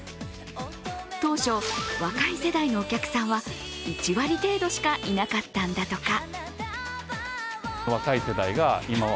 当初、若い世代のお客さんは１割程度しかいなかったんだとか。